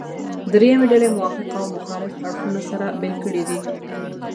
درېیمې ډلې موافق او مخالف اړخونه سره بېل کړي دي.